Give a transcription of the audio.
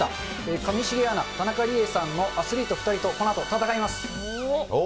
上重アナ、田中理恵さんのアスリート２人とこのあと戦います。